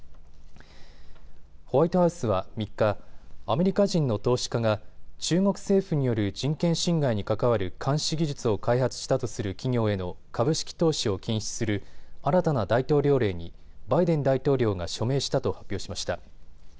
ホワイトハウスは３日、アメリカ人の投資家が中国政府による人権侵害に関わる監視技術を開発したとする企業への株式投資を禁止する新たな大統領令にバイデン大統領が署名したと発表しました。